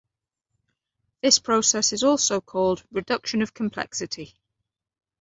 This process is also called "reduction of complexity".